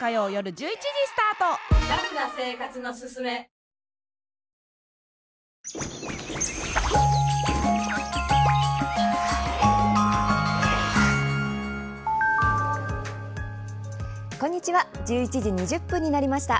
１１時２０分になりました。